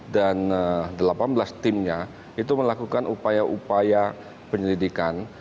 dan delapan belas timnya itu melakukan upaya upaya penyelidikan